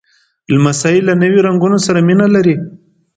لمسی له نوي رنګونو سره مینه لري.